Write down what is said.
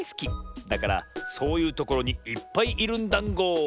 だからそういうところにいっぱいいるんだんご。